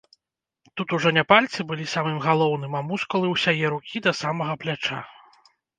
Тут ужо не пальцы былі самым галоўным, а мускулы ўсяе рукі да самага пляча.